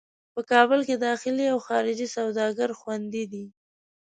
په کابل کې داخلي او خارجي سوداګر خوندي دي.